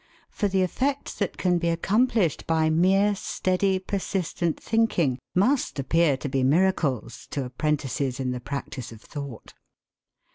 For the effects that can be accomplished by mere steady, persistent thinking must appear to be miracles to apprentices in the practice of thought.